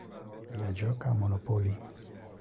Illa joca a Monopoly.